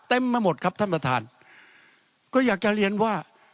มาหมดครับท่านประธานก็อยากจะเรียนว่า